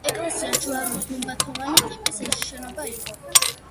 ეკლესია ჯვარულ-გუმბათოვანი ტიპის შენობა იყო.